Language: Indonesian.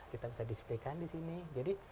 kita bisa displaykan di sini jadi